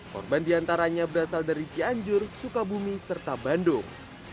korban diantaranya berasal dari cianjur sukabumi serta bandung